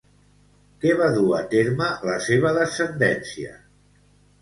Què va dur a terme la seva descendència?